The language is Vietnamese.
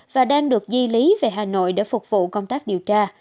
và đang được di lý về hà nội để phục vụ công tác điều tra